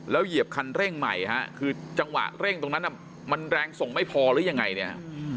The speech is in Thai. เหยียบคันเร่งใหม่ฮะคือจังหวะเร่งตรงนั้นมันแรงส่งไม่พอหรือยังไงเนี่ย